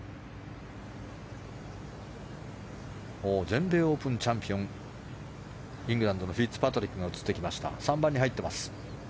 全米オープンチャンピオンイングランドのフィッツパトリックは３番に入っています。